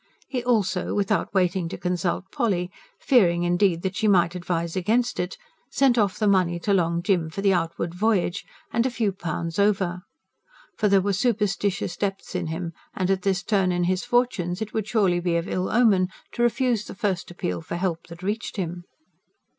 He also, without waiting to consult Polly fearing, indeed, that she might advise against it sent off the money to Long Jim for the outward voyage, and a few pounds over. For there were superstitious depths in him; and, at this turn in his fortunes, it would surely be of ill omen to refuse the first appeal for help that reached him.